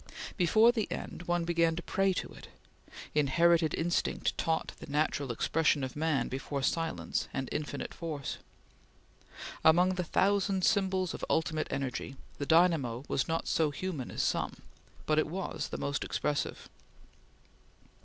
Before the end, one began to pray to it; inherited instinct taught the natural expression of man before silent and infinite force. Among the thousand symbols of ultimate energy the dynamo was not so human as some, but it was the most expressive.